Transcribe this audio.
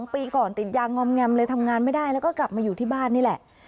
ปีก่อนติดยางอมแงมเลยทำงานไม่ได้แล้วก็กลับมาอยู่ที่บ้านนี่แหละ